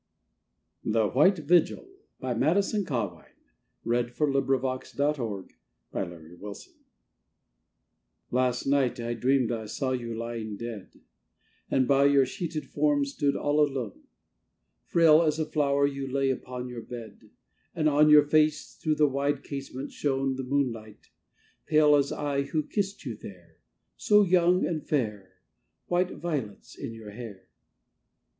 In you, since entered in my breast God's sweet unrest of love! THE WHITE VIGIL I Last night I dreamed I saw you lying dead, And by your sheeted form stood all alone: Frail as a flower you lay upon your bed, And on your face, through the wide casement, shone The moonlight, pale as I, who kissed you there, So young and fair, white violets in your hair.